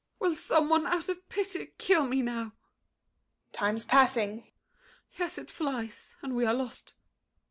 Will some one, out of pity, kill me now? THE JAILER. Time's passing. MARION. Yes, it flies; and we are lost.